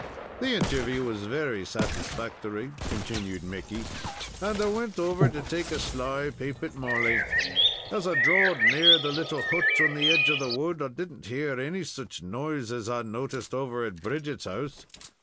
"The interview was very satisfactory," continued Mickey, "and I wint over to take a sly paap at Molly. As I drawed near the little hut on the edge of the wood, I did n't hear any such noise as I noticed over at Bridget's house.